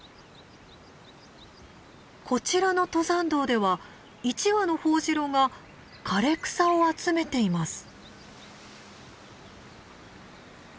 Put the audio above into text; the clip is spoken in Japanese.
こちらの登山道では１羽のホオジロが枯れ草を集めています。